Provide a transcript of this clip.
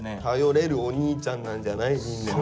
頼れるお兄ちゃんなんじゃない？